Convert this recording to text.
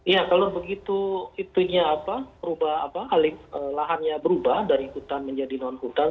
ya kalau begitu hitungnya apa perubahan apa lahannya berubah dari hutan menjadi non hutan